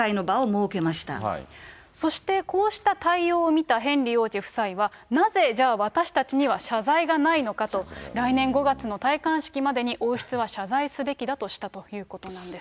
そしてこうした対応を見たヘンリー王子夫妻は、なぜじゃあ、私たちには謝罪がないのかと、来年５月の戴冠式までに、王室は謝罪すべきだとしたということなんです。